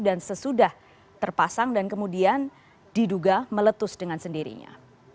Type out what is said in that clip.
dan sesudah terpasang dan kemudian diduga meletus dengan sendirinya